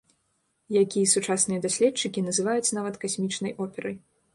Які сучасныя даследчыкі называюць нават касмічнай операй.